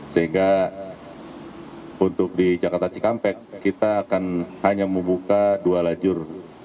sehingga untuk di jakarta cikampek kita akan hanya membuka dua lajur